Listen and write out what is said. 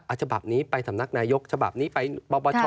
อ่าฉบับนี้ไปสำนักนายกฉบับนี้ไปบ้าบาชอ